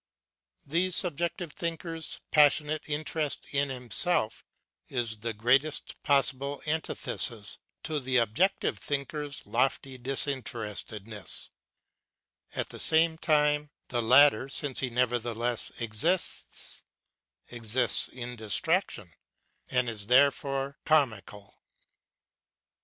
The sub jective thinker's passionate interest in himself is the greatest possible antithesis to the objective thinker's lofty disinterestedness; at the same time, the latter, since he nevertheless exists, exists in distraction, and is therefore comical.